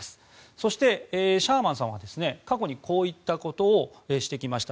そしてシャーマンさんは過去にこういったことをしてきました。